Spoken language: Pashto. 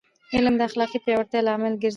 علم د اخلاقي پیاوړتیا لامل ګرځي.